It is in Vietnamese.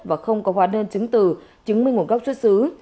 và không có hóa đơn chứng từ chứng minh một góc xuất xứ